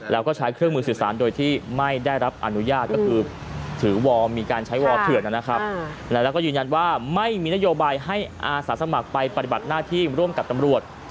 แล้วก็ใช้เครื่องมือสื่อสารโดยที่ไม่ได้รับอนุญาตก็คือถือวอร์มีการใช้วอลเถื่อนนะครับแล้วก็ยืนยันว่าไม่มีนโยบายให้อาสาสมัครไปปฏิบัติหน้าที่ร่วมกับตำรวจ